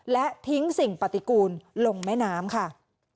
และทิ้งสิ่งปฏิกูลลงแม่น้ำค่ะ